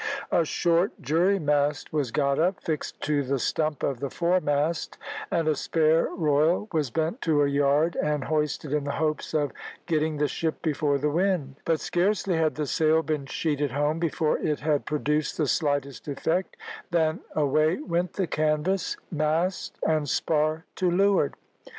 A short jury mast was got up, fixed to the stump of the fore mast, and a spare royal was bent to a yard and hoisted in the hopes of getting the ship before the wind; but scarcely had the sail been sheeted home, before it had produced the slightest effect, than away went the canvas, mast, and spar to leeward.